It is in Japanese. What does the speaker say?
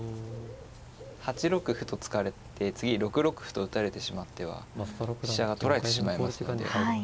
８六歩と突かれて次６六歩と打たれてしまっては飛車が取られてしまいますので。